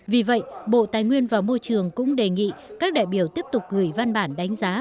vì vậy bộ tài nguyên và môi trường cũng đề nghị các đại biểu tiếp tục gửi văn bản đánh giá